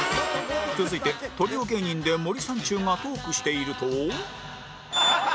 続いてトリオ芸人で森三中がトークしていると